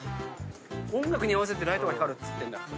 音楽に合わせてライトが光るっつってんだ。